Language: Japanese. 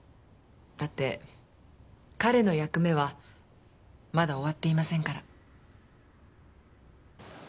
だって彼の役目はまだ終わっていませんから。